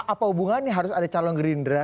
apa hubungannya harus ada calon gerindra